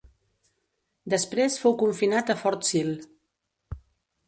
Després fou confinat a Fort Sill.